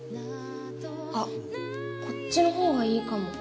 あっこっちのほうがいいかも。